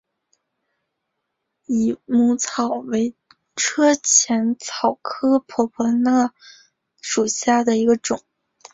蚊母草为车前草科婆婆纳属下的一个种。